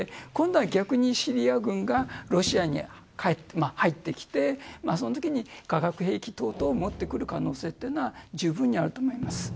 今度は逆にシリア軍がロシアに入ってきてそのときに化学兵器等々を持ってくる可能性というのはじゅうぶんにあると思います。